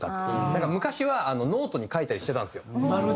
なんか昔はノートに書いたりしてたんですよ。